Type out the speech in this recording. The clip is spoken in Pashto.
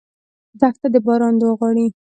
دښته د باران دعا غواړي.